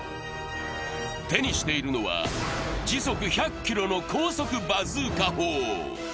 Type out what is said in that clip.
手にしているのは、時速１００キロの高速バズーカ砲。